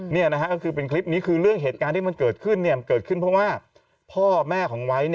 นี่นะฮะก็คือเป็นคลิปนี้คือเรื่องเหตุการณ์ที่มันเกิดขึ้นเกิดขึ้นเพราะว่าพ่อแม่ของไวท์